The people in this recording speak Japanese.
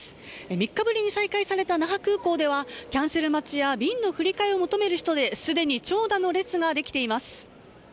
３日ぶりに再開された那覇空港ではキャンセル待ちや便の振り替えを求める人ですでに長蛇の列ができています。